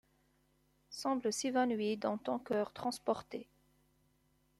Semble s’évanouir dans. ton coeur transporté ;.